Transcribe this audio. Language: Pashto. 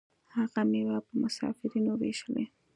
هغه میوې په مسافرینو ویشلې.